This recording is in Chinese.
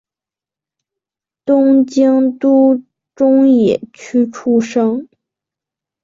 东京都中野区出生。